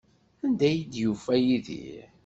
Anda ay d-yufa Yidir?